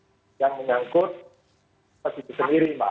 bahkan apa ameni terhadap prokes ini kami siapkan